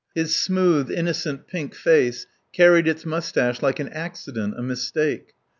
His smooth, innocent pink face carried its moustache like an accident, a mistake.